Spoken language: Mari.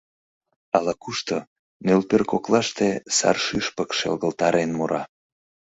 Ала-кушто, нӧлпер коклаште, сар шӱшпык шелгылтарен муралта.